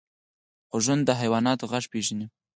غوږونه د حیواناتو غږ پېژني